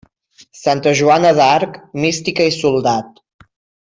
Santa Joana d'Arc, mística i soldat.